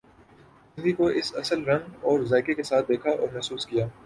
زندگی کو اس کے اصل رنگ اور ذائقہ کے ساتھ دیکھا اور محسوس کیا